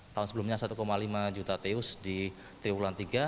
tahun sebelumnya satu lima juta teus di triwulan tiga